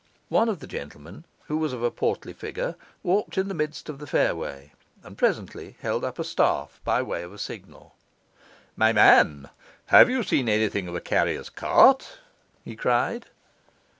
One of the gentlemen, who was of a portly figure, walked in the midst of the fairway, and presently held up a staff by way of signal. 'My man, have you seen anything of a carrier's cart?' he cried.